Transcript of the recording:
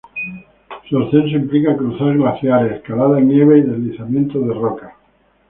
Su ascenso implica cruzar glaciares, escalada en nieve y deslizamientos de rocas.